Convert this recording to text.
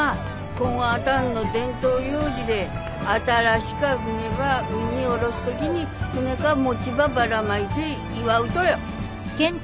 こんあたんの伝統行事で新しか船ば海んに下ろすときに船かっ餅ばばらまいて祝うとよ。